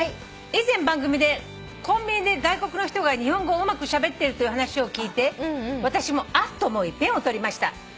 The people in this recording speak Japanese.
「以前番組でコンビニで外国の人が日本語をうまくしゃべってるという話を聞いて私もあっ！と思いペンを執りました」